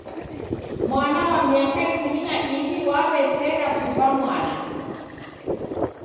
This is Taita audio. Mwana wa miaka ikumi na iw'i waw'esera kuva mwana!